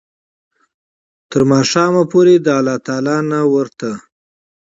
تر ماښامه پوري د الله تعالی نه ورته